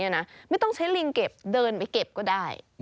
ฉันจะนำเสนอเนี่ยนะไม่ต้องใช้ลิงเก็บเดินไปเก็บก็ได้